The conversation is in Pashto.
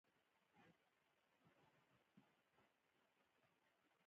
دا فکتورونه ځینې وخت هیوادونه جګړو ته هڅوي